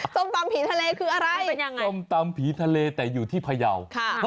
ส้มตำผีทะเลคืออะไรส้มตำผีทะเลแต่อยู่ที่พยาว